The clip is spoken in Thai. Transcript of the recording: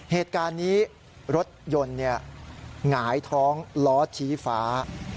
เหตุการณ์นี้รถยนต์หงายท้องล้อชี้ฟ้า